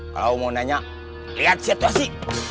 kalau mau nanya lihat situasi